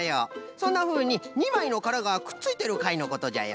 そんなふうににまいのからがくっついてるかいのことじゃよ。